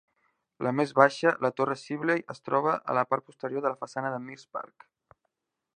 La més baixa, la torre Sibley, es troba a la part posterior de la façana del Mears Park.